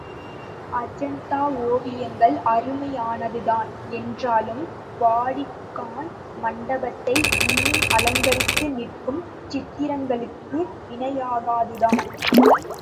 அஜந்தா ஓவியங்கள் அருமையானதுதான் என்றாலும் வாடிகான் மண்டபத்தை இன்று அலங்கரித்து நிற்கும் சித்திரங்களுக்கு இணையாகாதுதான்.